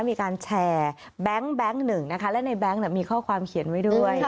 มีการแชร์แบงค์หนึ่งนะคะและในแง๊งมีข้อความเขียนไว้ด้วย